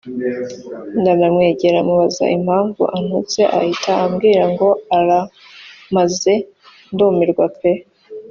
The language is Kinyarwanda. ndanamwegera mubaza impamvu antutse ahita ambwira ngo aramaze ndumirwa pe